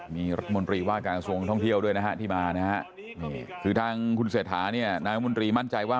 มีรัฐมนตรีว่าการกระทรวงท่องเที่ยวด้วยนะฮะที่มานะฮะนี่คือทางคุณเศรษฐาเนี่ยนายมนตรีมั่นใจว่า